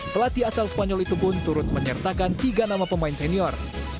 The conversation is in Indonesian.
pelatih asal spanyol itu pun turut menyertakan tiga nama pemain senior